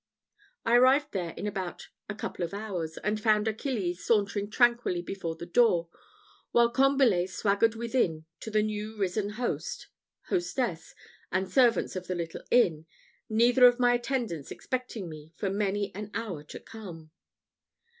I arrived there in about a couple of hours, and found Achilles sauntering tranquilly before the door, while Combalet swaggered within to the new risen host, hostess, and servants of the little inn, neither of my attendants expecting me for many an hour to come.